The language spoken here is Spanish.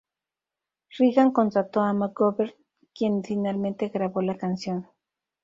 Regan contrató a McGovern quien finalmente grabó la canción.